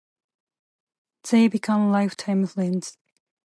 They became lifetime friends.